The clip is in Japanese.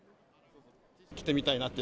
着てみたいなって。